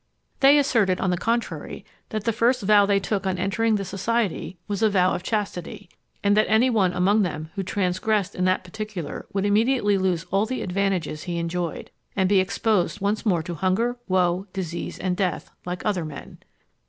They asserted, on the contrary, that the first vow they took on entering the society was a vow of chastity, and that any one among them who transgressed in that particular would immediately lose all the advantages he enjoyed, and be exposed once more to hunger, woe, disease, and death, like other men.